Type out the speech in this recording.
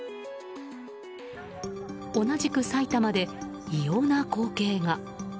同じく埼玉で異様な光景が。